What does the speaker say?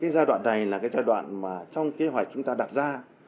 giai đoạn này là giai đoạn trong kế hoạch chúng ta đặt ra